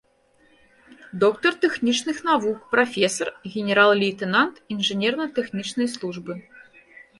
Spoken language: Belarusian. Доктар тэхнічных навук, прафесар, генерал-лейтэнант інжынерна-тэхнічнай службы.